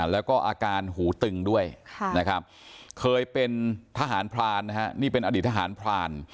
แล้วก็อาการหูตึงด้วยนะครับเคยเป็นทหารพรานนะฮะนี่เป็นอดีตทหารพราน